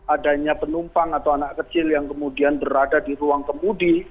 adanya penumpang atau anak kecil yang kemudian berada di ruang kemudi